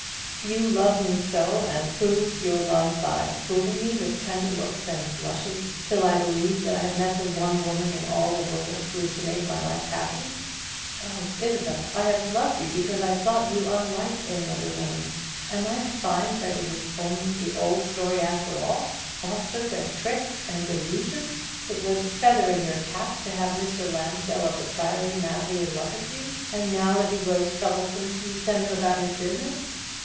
"You love me so, and prove your love by fooling me with tender looks and blushes, till I believe that I have met the one woman in all the world who is to make my life happy. Oh, Isabel, I have loved you because I thought you unlike other women. Am I to find that it is only the old story after all falsehood, and trick, and delusion? It was a feather in your cap to have Mr. Lansdell of the Priory madly in love with you; and now that he grows troublesome, you send him about his business.